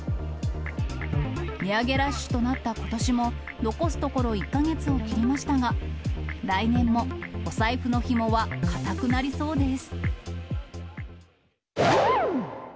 値上げラッシュとなったことしも、残すところ１か月を切りましたが、来年もお財布のひもは固くなりそうです。